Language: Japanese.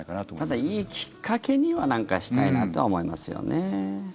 ただ、いいきっかけにはしたいなとは思いますよね。